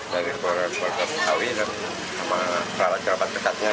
dari kuala kota tawih dan kelabat kelabat dekatnya